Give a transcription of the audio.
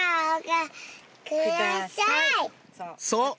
そう！